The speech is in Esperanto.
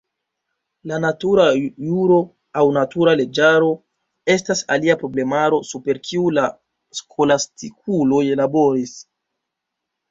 La natura juro aŭ natura leĝaro estas alia problemaro super kiu la skolastikuloj laboris.